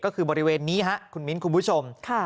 ก็คือบริเวณนี้ฮะคุณมินคุณผู้ชมค่ะ